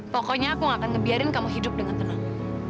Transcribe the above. pokoknya aku gak akan ngebiarin kamu hidup dengan tenang